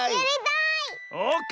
オーケー！